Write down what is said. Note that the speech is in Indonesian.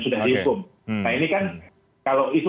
sudah dihukum nah ini kan kalau itu